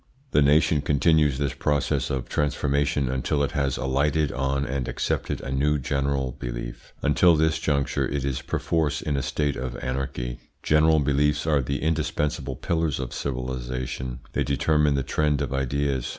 The nation continues this process of transformation until it has alighted on and accepted a new general belief: until this juncture it is perforce in a state of anarchy. General beliefs are the indispensable pillars of civilisations; they determine the trend of ideas.